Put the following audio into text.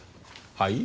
はい？